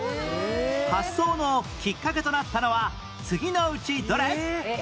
発想のきっかけとなったのは次のうちどれ？